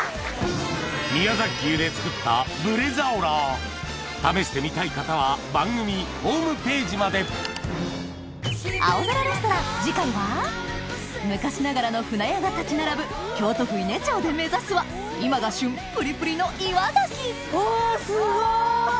宮崎牛で作った試してみたい方は番組ホームページまで昔ながらの船屋が立ち並ぶ京都府伊根町で目指すは今が旬プリプリの岩ガキおすごい！お！